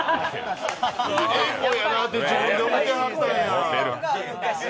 ええ声やなって、自分で思ってはったんや。